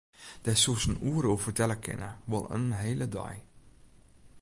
Dêr soest in oere oer fertelle kinne, wol in hele dei.